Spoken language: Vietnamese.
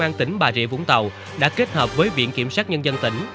công an tỉnh bà rịa vũng tàu đã kết hợp với viện kiểm sát nhân dân tỉnh